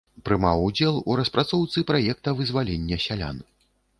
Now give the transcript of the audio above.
Прымаў удзел у распрацоўцы праекта вызвалення сялян.